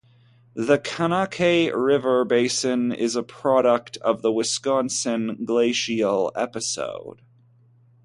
The Kankakee River Basin is a product of the Wisconsin Glacial Episode.